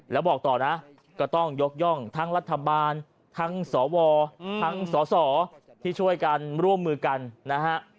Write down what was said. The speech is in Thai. แล้วบอกต่อนะก็ต้องยกย่องทั้งรัฐบาลทั้งสวทั้งสสที่ช่วยกันร่วมมือกันนะฮะ